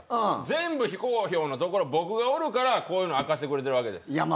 全部非公表のところを僕がおるからこういうのを明かしてくれてるわけです。